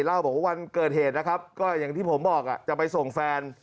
เล่าบอกว่าวันเกิดเหตุนะครับก็อย่างที่ผมบอกจะไปส่งแฟน